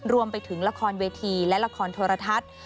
รวมไปถึงละครเวทีและละครโทรทัศน์